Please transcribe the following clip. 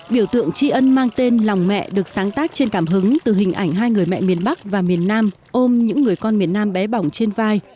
biểu tượng tri ân mang tên lòng mẹ được sáng tác trên cảm hứng từ hình ảnh hai người mẹ miền bắc và miền nam ôm những người con miền nam bé bỏng trên vai